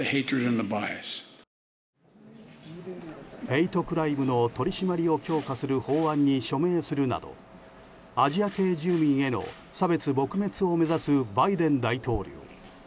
ヘイトクライムの取り締まりを強化する法案に署名するなどアジア系住民への差別撲滅を目指すバイデン大統領。